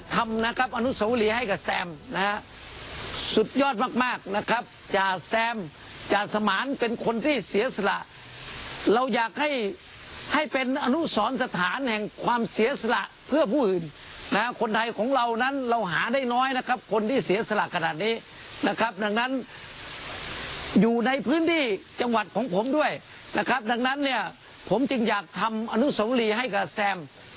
ที่จะทำอนุสรรค์ลีให้กับจาแซม